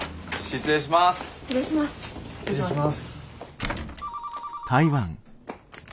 失礼します。